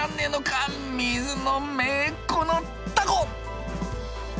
水野めこのタコ！」。